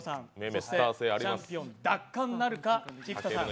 そしてチャンピオン奪還なるか菊田さん。